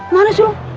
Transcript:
mana sih lu